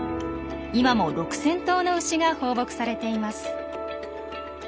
今も６，０００頭の牛が放牧されています。